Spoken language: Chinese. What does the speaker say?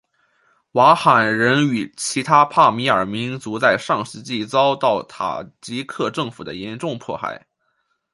瓦罕人与其他帕米尔民族在上世纪遭到塔吉克政府的严重迫害。